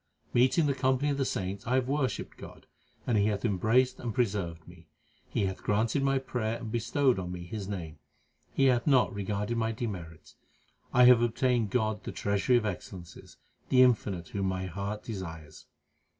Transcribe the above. Meeting the company of the saints I have worshipped God, and He hath embraced and preserved me. He hath granted my prayer and bestowed on me His name ; He hath not regarded my demerits. I have obtained God the Treasury of excellences, the Infinite whom my heart desired.